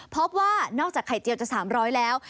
เพราะว่านอกจากไข่เจียวจะ๓๐๐บาทแล้ว